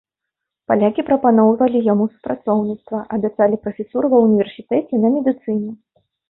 Палякі прапаноўвалі яму супрацоўніцтва, абяцалі прафесуру ва універсітэце на медыцыне.